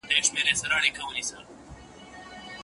سوداګرو به تر سبا خپل مالونه پلورلي وي.